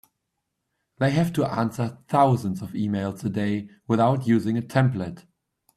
They have to answer thousands of emails a day without using a template.